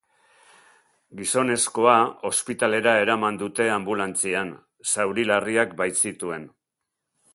Gizonezkoa ospitalera eraman dute anbulantzian, zauri larriak baitzituen.